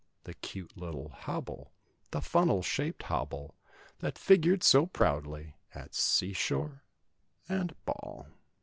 The cute little "hobble," the funnel shaped "hobble" That figured so proudly at sea shore and ball.